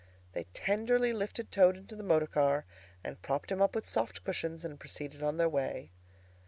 They tenderly lifted Toad into the motor car and propped him up with soft cushions, and proceeded on their way.